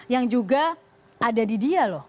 yang juga ada di dia loh